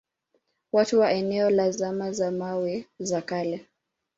Watu wa eneo la zama za mawe za kale